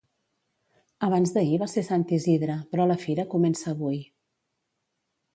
Abans d'ahir va ser Sant Isidre però la fira comença avui